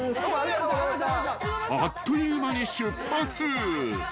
［あっという間に出発］